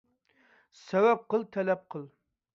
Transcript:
سەۋەب قىل، تەلەپ قىل.